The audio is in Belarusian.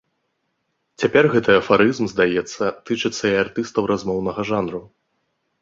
Цяпер гэты афарызм, здаецца, тычыцца і артыстаў размоўнага жанру.